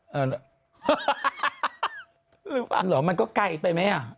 หรือเปล่ามันก็ไกลไปไหมอ่ะ